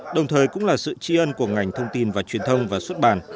đồng thời cũng là sự tri ân của ngành thông tin và truyền thông và xuất bản